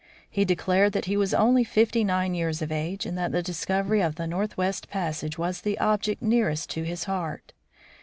He declared that he was only fifty nine years of age, and that the discovery of the northwest passage was the object nearest his heart.